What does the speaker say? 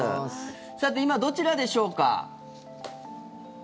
さて、今どちらでしょうか？